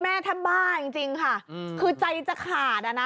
แม่ดูมาบ้าจริงคือใจจะขาดอ่ะนะ